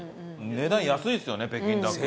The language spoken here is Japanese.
値段安いですよね北京ダックの。